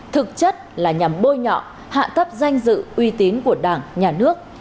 thực chất là nhằm bôi nhọ hạ thấp danh dự uy tín của đảng nhà nước